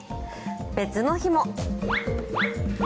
別の日も。